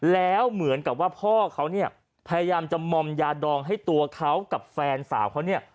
แล้วเหมือนกับว่าพ่อเขาเนี่ยพยายามจะมอมยาดองให้ตัวเขากับแฟนสาวเขาเนี่ย